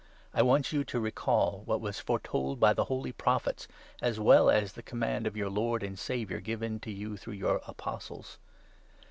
I want you to 2 recall what was foretold by the holy Prophets, as well as the Command of our Lord and Saviour given to you through your Apostles.